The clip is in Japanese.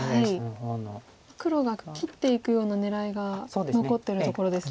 黒が切っていくような狙いが残ってるところですね。